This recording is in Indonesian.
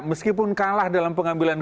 meskipun kalah dalam pengambilan